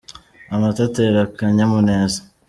Amata atera akanyamuneza.